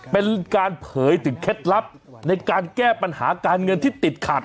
เป็นการเผยถึงเคล็ดลับในการแก้ปัญหาการเงินที่ติดขัด